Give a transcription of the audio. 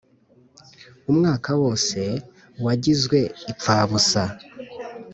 Umwaka wose wajyizwe ipfabusa.